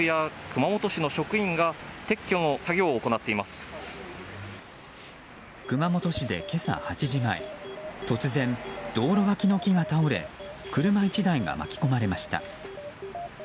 熊本市で今朝８時前突然、道路脇の木が倒れ車１台が巻き込まれました。